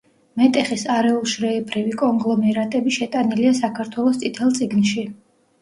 მეტეხის „არეულშრეებრივი კონგლომერატები“ შეტანილია საქართველოს წითელ წიგნში.